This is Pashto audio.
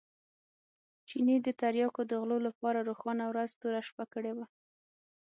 چیني د تریاکو د غلو لپاره روښانه ورځ توره شپه کړې وه.